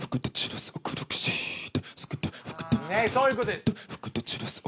ねっそういうことです。